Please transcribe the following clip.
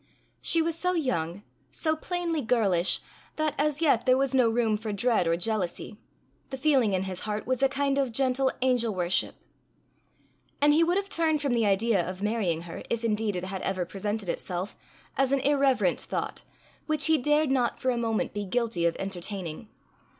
She was so young, so plainly girlish, that as yet there was no room for dread or jealousy; the feeling in his heart was a kind of gentle angel worship; and he would have turned from the idea of marrying her, if indeed it had ever presented itself, as an irreverent thought, which he dared not for a moment be guilty of entertaining.